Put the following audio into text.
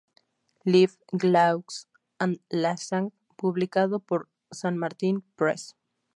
Life, Laughs, and Lasagna"" publicado por San Martin's Press.